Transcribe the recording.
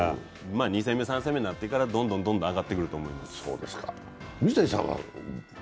２戦目、３戦目になってからどんどん上がってくると思います。